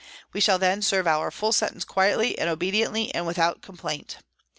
We shall then serve our full sentence quietly and obediently and without complaint.